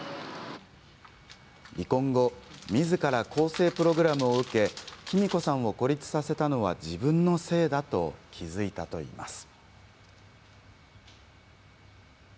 離婚後みずから更生プログラムを受けきみこさんを孤立させたのは自分のせいだと気付いたといいます。